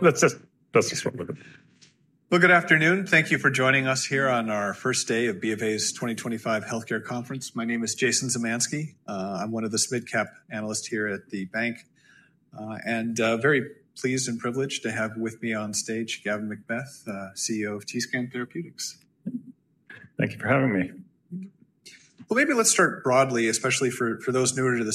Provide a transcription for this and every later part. That's just, that's just what we're doing. Good afternoon. Thank you for joining us here on our first day of BofA's 2025 Healthcare Conference. My name is Jason Zemansky. I'm one of the mid-cap analysts here at the bank, and very pleased and privileged to have with me on stage Gavin MacBeath, CEO of TScan Therapeutics. Thank you for having me. Maybe let's start broadly, especially for those newer to the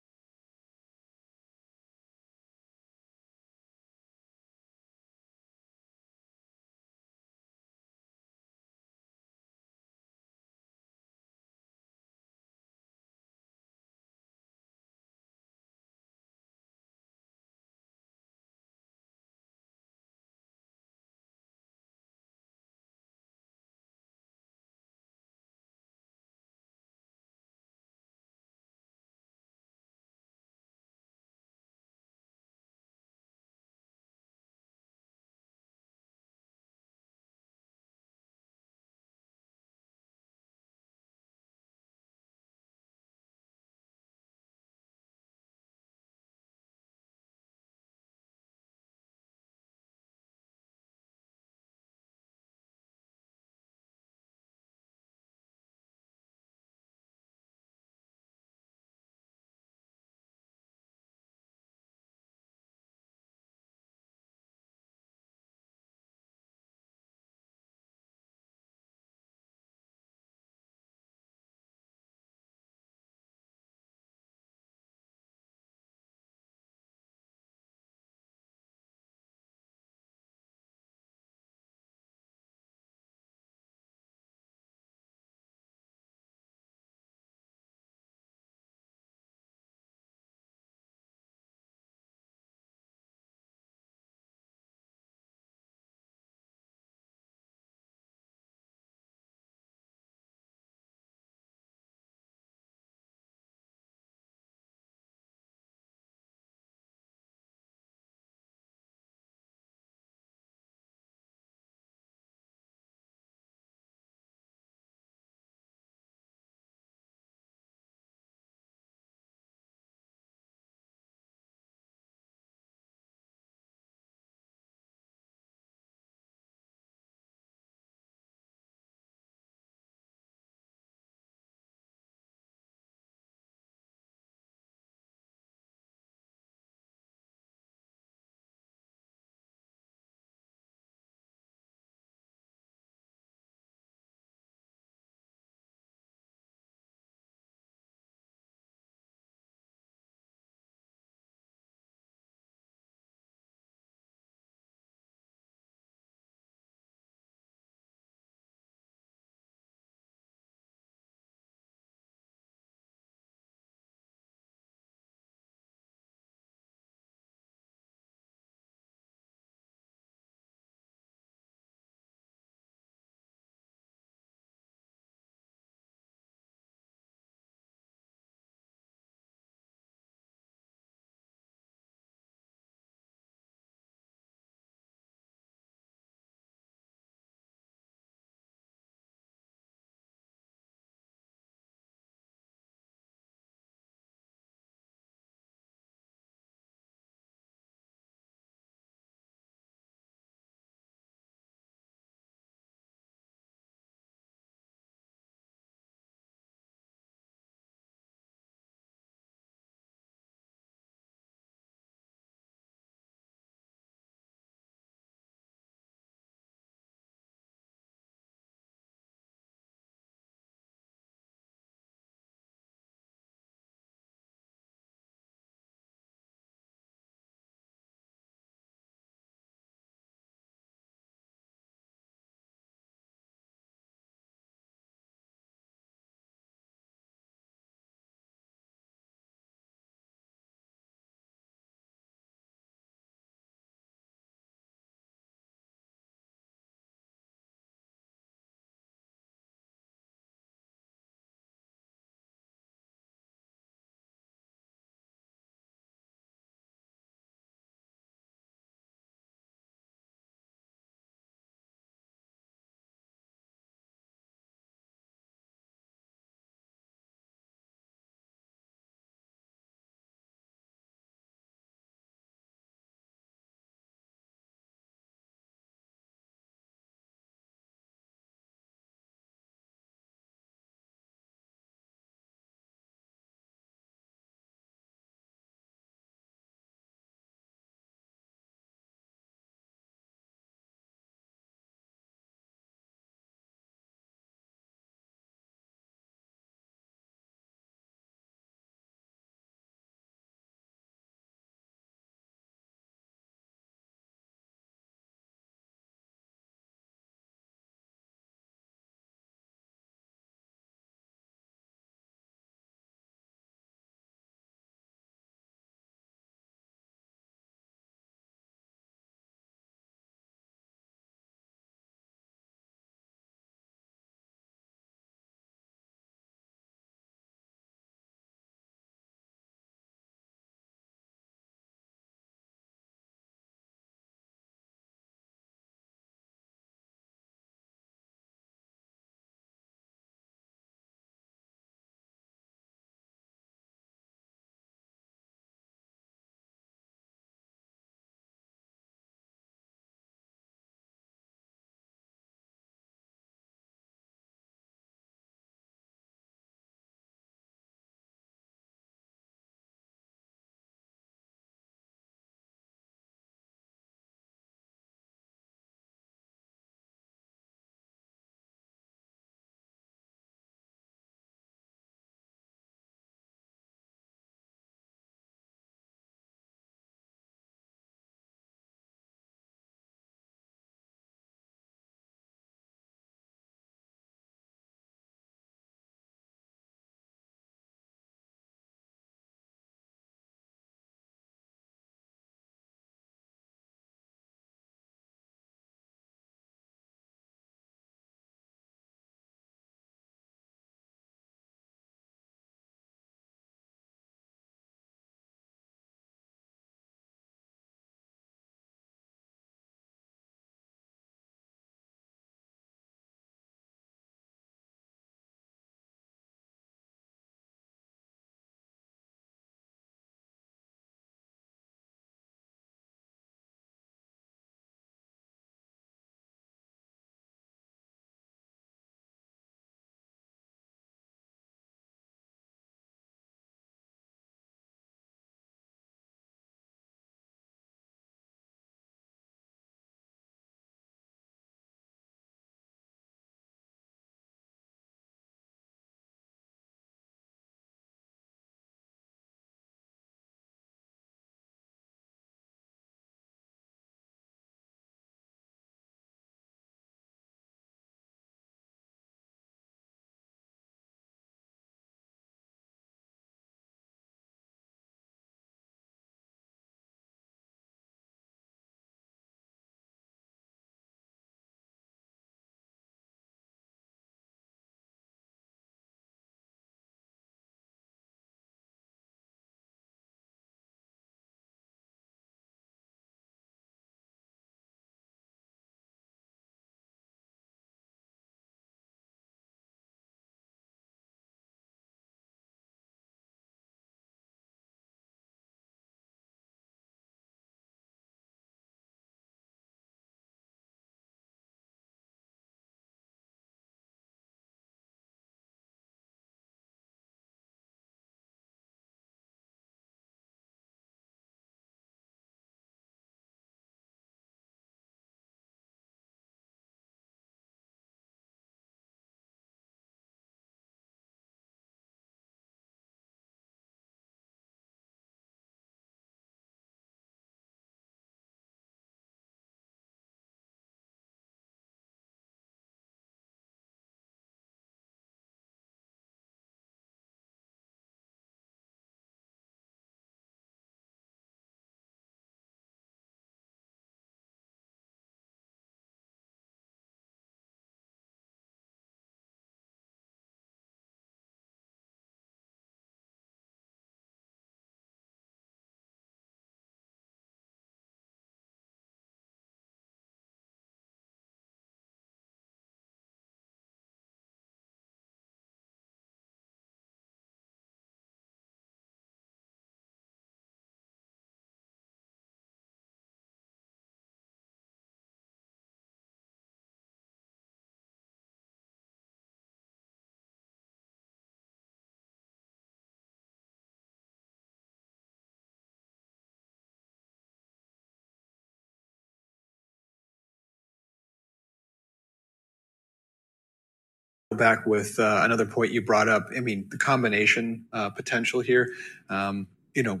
story. Go back to another point you brought up. I mean, the combination potential here, you know,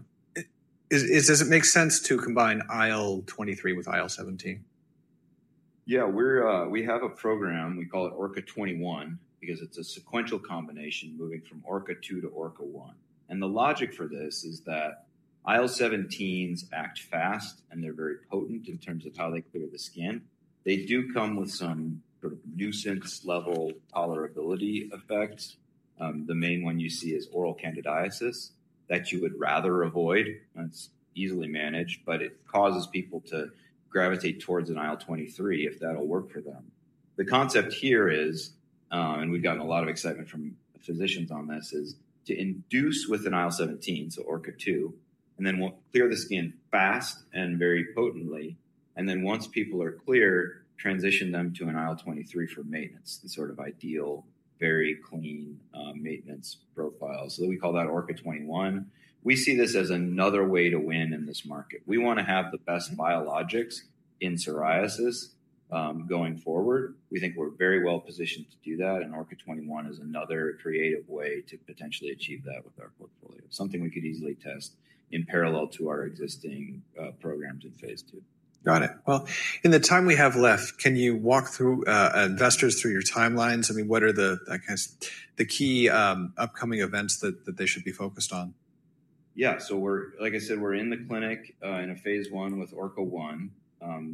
does it make sense to combine IL-23 with IL-17? Yeah, we have a program. We call it ORKA-21 because it's a sequential combination moving from ORKA-2 to ORKA-1. And the logic for this is that IL-17s act fast and they're very potent in terms of how they clear the skin. They do come with some sort of nuisance level tolerability effects. The main one you see is oral candidiasis that you would rather avoid. It's easily managed, but it causes people to gravitate towards an IL-23 if that'll work for them. The concept here is, and we've gotten a lot of excitement from physicians on this, is to induce with an IL-17, so ORKA-2, and then we'll clear the skin fast and very potently. And then once people are cleared, transition them to an IL-23 for maintenance, the sort of ideal, very clean maintenance profile. So that we call that ORKA-21. We see this as another way to win in this market. We want to have the best biologics in psoriasis going forward. We think we're very well positioned to do that. And ORKA-21 is another creative way to potentially achieve that with our portfolio, something we could easily test in parallel to our existing programs in Phase II. Got it. Well, in the time we have left, can you walk investors through your timelines? I mean, what are the kind of key upcoming events that they should be focused on? Yeah, so we're, like I said, we're in the clinic in a Phase I with ORKA-001.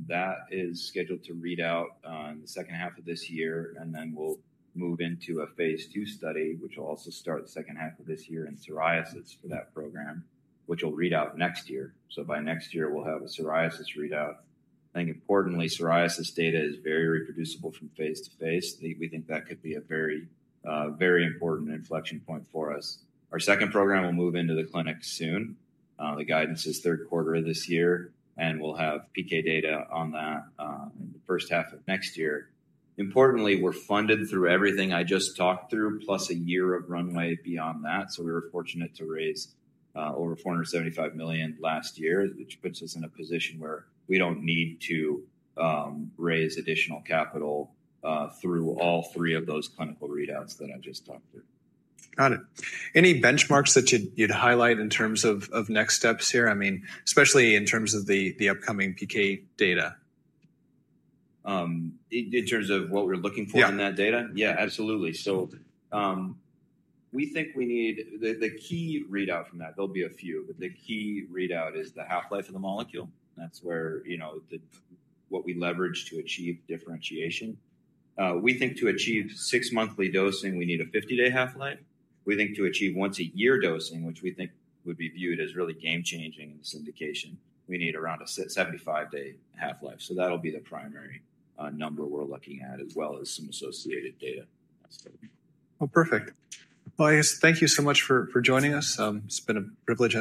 That is scheduled to read out in the second half of this year. And then we'll move into a Phase II study, which will also start the second half of this year in psoriasis for that program, which will read out next year. So by next year, we'll have a psoriasis readout. I think importantly, psoriasis data is very reproducible from Phase to Phase. We think that could be a very, very important inflection point for us. Our second program will move into the clinic soon. The guidance is third quarter of this year, and we'll have PK data on that in the first half of next year. Importantly, we're funded through everything I just talked through, plus a year of runway beyond that. So we were fortunate to raise over $475 million last year, which puts us in a position where we don't need to raise additional capital through all three of those clinical readouts that I just talked through. Got it. Any benchmarks that you'd highlight in terms of next steps here? I mean, especially in terms of the upcoming PK data? In terms of what we're looking for in that data? Yeah, absolutely. So we think we need the key readout from that. There'll be a few, but the key readout is the half-life of the molecule. That's where what we leverage to achieve differentiation. We think to achieve six-monthly dosing, we need a 50-day half-life. We think to achieve once-a-year dosing, which we think would be viewed as really game-changing in this indication, we need around a 75-day half-life. So that'll be the primary number we're looking at, as well as some associated data. Well, perfect. Well, I just thank you so much for joining us. It's been a privilege.